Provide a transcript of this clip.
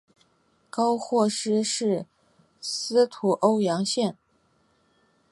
高获师事司徒欧阳歙。